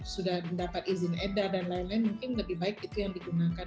sudah mendapat izin edar dan lain lain mungkin lebih baik itu yang digunakan